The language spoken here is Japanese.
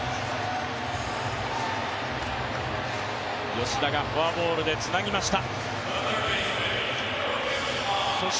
吉田がフォアボールでつなぎました。